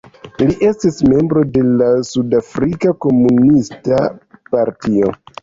Li estis membro de la Sudafrika Komunista Partio.